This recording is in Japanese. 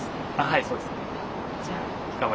はいそうですね。